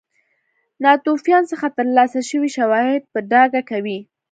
ناتوفیان څخه ترلاسه شوي شواهد په ډاګه کوي.